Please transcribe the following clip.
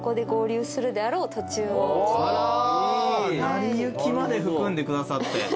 『なりゆき』まで含んでくださって。